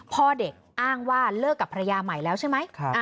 พ่อเด็กอ้างว่าเลิกกับภรรยาใหม่แล้วใช่ไหม